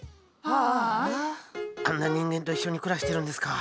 あんな人間と一緒に暮らしてるんですか。